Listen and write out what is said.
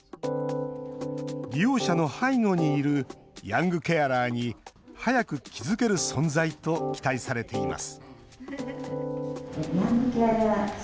利用者の背後にいるヤングケアラーに早く気付ける存在と期待されています